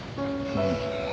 うん。